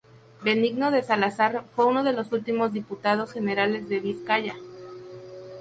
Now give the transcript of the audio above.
Benigno de Salazar fue uno de los últimos diputados generales de Vizcaya.